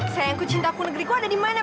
sayangku cintaku negeriku ada di mana